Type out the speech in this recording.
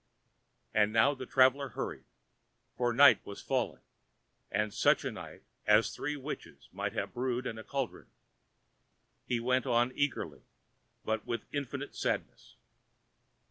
And now the traveller hurried, for night was falling, and such a night as three witches might have brewed in a cauldron. He went on eagerly but with infinite sadness.